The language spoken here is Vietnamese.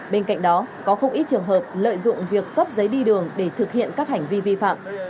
bên cạnh đó có không ít trường hợp lợi dụng việc cấp giấy đi đường để thực hiện các hành vi vi phạm